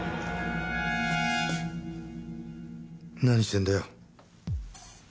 何してんだよ。